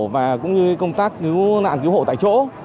và cũng như công tác cứu nạn cứu hộ tại chỗ